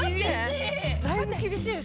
厳しい。